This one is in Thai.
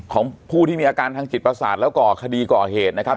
ของผู้ที่มีอาการทางจิตประสาทแล้วก่อคดีก่อเหตุนะครับ